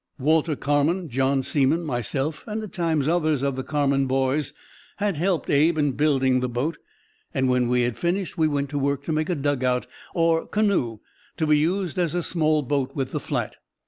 Walter Carman, John Seamon, myself, and at times others of the Carman boys, had helped Abe in building the boat, and when we had finished we went to work to make a dug out, or canoe, to be used as a small boat with the flat.